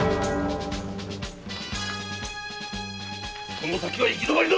その先は行きどまりだ！